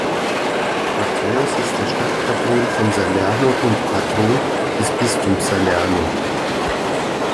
Matthäus ist der Stadtpatron von Salerno und Patron des Bistums Salerno.